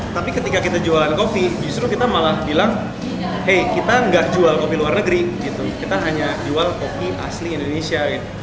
tapi ketika kita jualan kopi justru kita malah bilang hey kita nggak jual kopi luar negeri kita hanya jual kopi asli indonesia